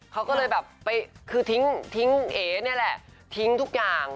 เขาก็เลยแบบไปคือทิ้งเอ๋นี่แหละทิ้งทุกอย่าง